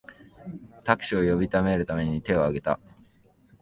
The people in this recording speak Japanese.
タクシーを呼び止めるために手をあげた